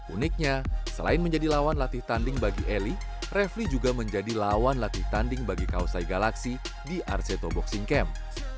uniknya selain menjadi lawan latih tanding bagi eli refli juga menjadi lawan latih tanding bagi kausai galaksi di arseto boxing camp